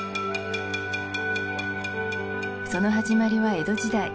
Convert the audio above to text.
その始まりは江戸時代